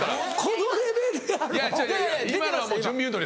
このレベルやろ⁉